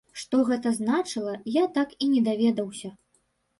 Што гэта значыла, я так і не даведаўся.